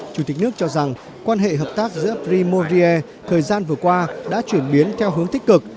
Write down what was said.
chủ tịch nước cho rằng quan hệ hợp tác giữa primovier thời gian vừa qua đã chuyển biến theo hướng tích cực